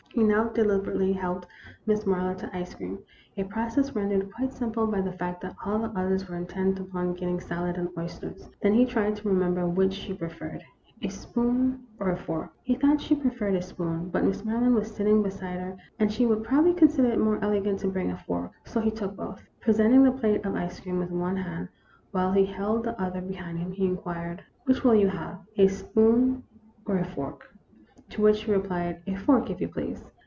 He now deliberately helped Miss Marlowe to ice cream, a process rendered quite simple by the fact that all the others were intent upon getting salad and oysters. Then he tried to remember which she preferred, a spoon or a fork. He thought she pre ferred a spoon, but Miss Maryland was sitting be side her, and she would probably consider it more elegant to bring a fork, so he took both. Present ing the plate of ice cream with one hand, while he held the other behind him, he inquired :" Which will you have, a spoon or a fork ?" To which she replied, " A fork, if you please."